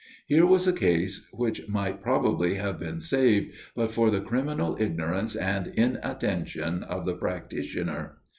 Here was a case which might probably have been saved, but for the criminal ignorance and inattention of the practitioner.